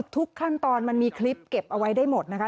ทุกขั้นตอนมันมีคลิปเก็บเอาไว้ได้หมดนะคะ